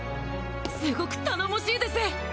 すごく頼もしいです。